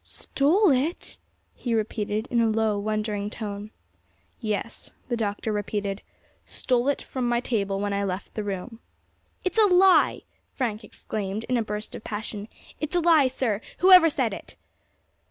"Stole it!" he repeated, in a low, wondering tone. "Yes," the Doctor repeated, "stole it from my table when I left the room." "It is a lie!" Frank exclaimed, in a burst of passion; "it is a lie, sir, whoever said it."